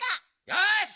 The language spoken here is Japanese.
よし！